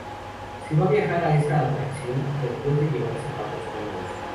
Si va a viajar a esta atracción, recuerde llevar zapatos cómodos.